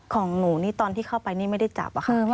ของหนูนี่ตอนที่เข้าไปนี่ไม่ได้จับค่ะ